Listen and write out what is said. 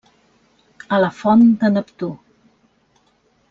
A la Font de Neptú.